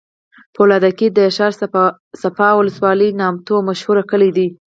فولادګی د ښارصفا ولسوالی نامتو او مشهوره کلي دی